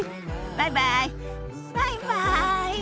バイバイ。